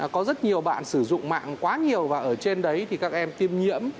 có rất nhiều bạn sử dụng mạng quá nhiều và ở trên đấy thì các em tiêm nhiễm